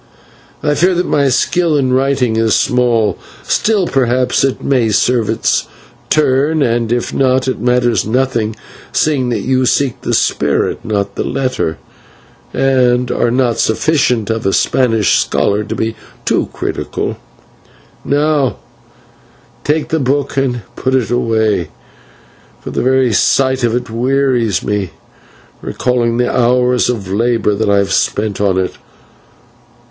I fear that my skill in writing is small, still perhaps it may serve its turn, and if not, it matters nothing, seeing that you seek the spirit, not the letter, and are not sufficient of a Spanish scholar to be too critical. "Now take the book and put it away, for the very sight of it wearies me, recalling the hours of labour that I have spent on it.